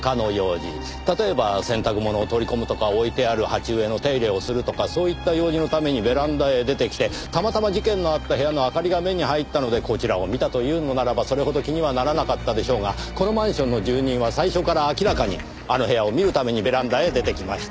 例えば洗濯物を取り込むとか置いてある鉢植えの手入れをするとかそういった用事のためにベランダへ出てきてたまたま事件のあった部屋の明かりが目に入ったのでこちらを見たというのならばそれほど気にはならなかったでしょうがこのマンションの住人は最初から明らかにあの部屋を見るためにベランダへ出てきました。